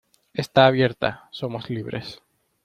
¡ Está abierta! ¡ somos libres !